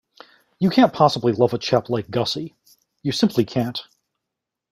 You can't possibly love a chap like Gussie. You simply can't.